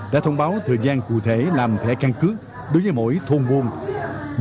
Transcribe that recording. đã thông báo thời gian cụ thể làm thẻ căn cứ đối với mỗi thôn buôn